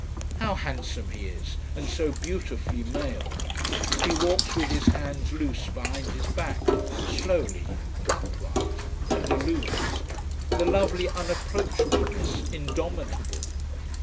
How handsome he is, and so beautifully male! He walks with his hands loose behind his back, slowly, upright, and aloof. The lovely unapproachableness, indomitable.